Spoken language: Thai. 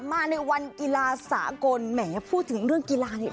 มาในวันกีฬาสากลแหมพูดถึงเรื่องกีฬานี่